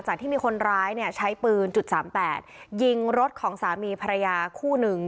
ที่มีคนร้ายเนี่ยใช้ปืนจุดสามแปดยิงรถของสามีภรรยาคู่หนึ่ง